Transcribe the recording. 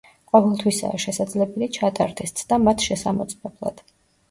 ყოველთვისაა შესაძლებელი ჩატარდეს ცდა მათ შესამოწმებლად.